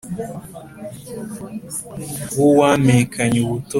w'uwampekanye ubutoni